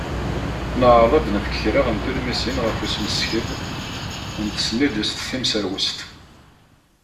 Neɛreḍ ad d-nefk kra n tulmisin ɣef usmeskel n tesnilest timserwest.